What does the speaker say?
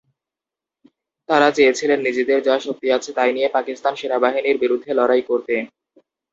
তারা চেয়েছিলেন নিজেদের যা শক্তি আছে তাই নিয়ে পাকিস্তান সেনাবাহিনীর বিরুদ্ধে লড়াই করতে।